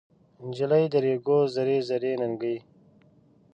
نجلۍ د ریګو زر زري ننکۍ